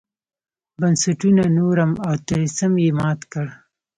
بنسټونو نورم او طلسم یې مات کړ.